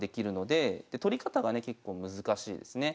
で取り方がね結構難しいですね。